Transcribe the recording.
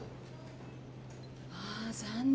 あ残念。